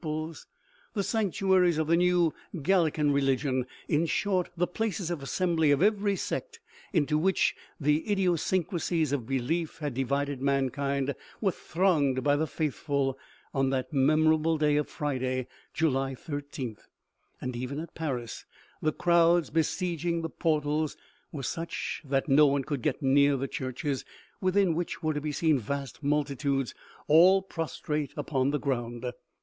pies, the sanctuaries of the new Galilean religion in short, the places of assembly of every sect into which the id iosyncrasies of belief had divided mankind, were thronged by the faithful on that memorable day of Friday, July 1 3th ; and even at Paris the crowds besieging the portals were such that no one could get near the churches, within which were to be seen vast multitudes, all prostrate upon the ground.